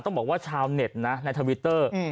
บอกว่าชาวเน็ตนะในทวิตเตอร์